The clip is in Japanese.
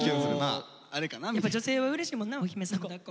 やっぱ女性はうれしいもんなお姫様抱っこ。